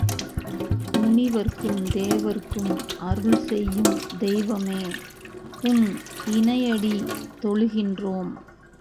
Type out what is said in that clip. முனிவர்க்கும் தேவர்க்கும் அருள் செய்யும் தெய்வமே உன் இணையடி தொழுகின்றோம்.